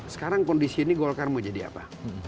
sekarang kondisi ini golkar mau jadi apa